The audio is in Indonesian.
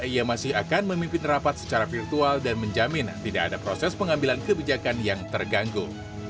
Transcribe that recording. ia masih akan memimpin rapat secara virtual dan menjamin tidak ada proses pengambilan kebijakan yang terganggu